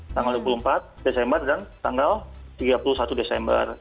tanggal dua puluh empat desember dan tanggal tiga puluh satu desember